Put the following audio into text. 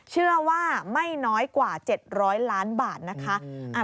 เชื่อว่าไม่น้อยกว่า๗๐๐ล้านบาทนะคะ